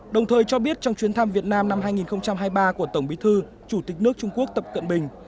đồng thời cho biết trong chuyến thăm việt nam năm hai nghìn hai mươi ba của tổng bí thư chủ tịch nước trung quốc tập cận bình